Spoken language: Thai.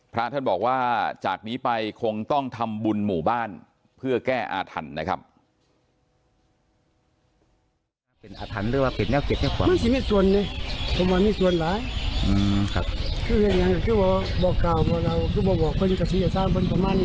พระท่านบอกว่าจากนี้ไปคงต้องทำบุญหมู่บ้านเพื่อแก้อาถรรพ์นะครับ